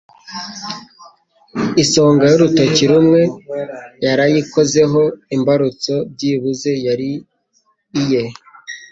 Isonga y'urutoki rumwe yarayikozeho! Imbarutso byibuze yari iye!